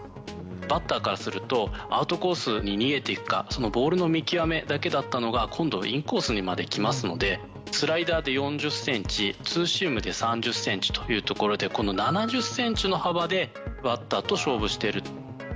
バッターからすると、アウトコースに逃げていくか、そのボールの見極めだけだったのが、今度、インコースにまで来ますので、スライダーで４０センチ、ツーシームで３０センチというところで、この７０センチの幅で、バッターと勝負している。